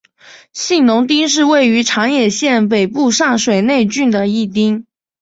信浓町是位于长野县北部上水内郡的一町。